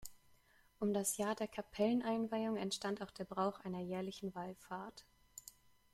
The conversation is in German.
Um das Jahr der Kapellen-Einweihung entstand auch der Brauch einer jährlichen Wallfahrt.